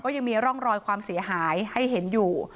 ยังมีร่องรอยความเสียหายให้เห็นอยู่